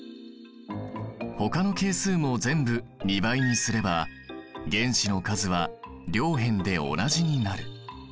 ほかの係数も全部２倍にすれば原子の数は両辺で同じになる。